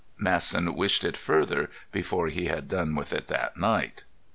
Masson wished it further before he had done with it that night.